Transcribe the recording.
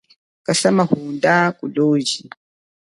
Kasa mahunda kuloji.